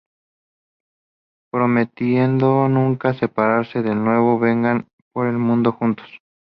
Prometiendo nunca separarse de nuevo, vagan por el mundo juntos.